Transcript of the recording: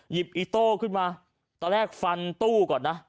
อีโต้ขึ้นมาตอนแรกฟันตู้ก่อนนะ